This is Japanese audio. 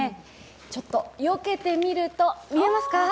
ちょっとよけてみると見えますか？